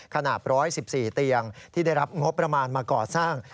ขนาด๑๑๔เตียงที่ได้รับงบประมาณมาก่อสร้าง